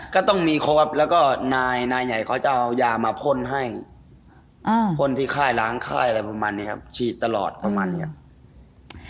ก็ต้องมีครบครับแล้วก็นายใหญ่เขาจะเอายามาพ่นให้พ่นที่ค่ายล้างค่ายอะไรประมาณนี้ครับฉีดตลอดประมาณเนี้ย